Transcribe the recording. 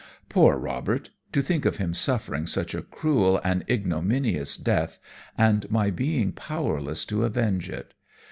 "Poor Robert! To think of him suffering such a cruel and ignominious death, and my being powerless to avenge it.